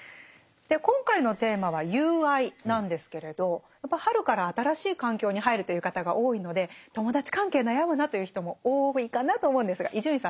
今回のテーマは「友愛」なんですけれどやっぱ春から新しい環境に入るという方が多いので友達関係悩むなという人も多いかなと思うんですが伊集院さんどうですか？